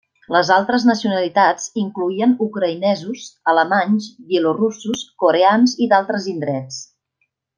Les altres nacionalitats incloïen ucraïnesos, alemanys, bielorussos, coreans i d'altres indrets.